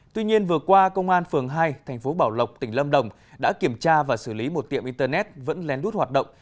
tuy nhiên vừa qua công an phường hai thành phố bảo lộc tỉnh lâm đồng đã kiểm tra và xử lý một tiệm internet vẫn lén lút hoạt động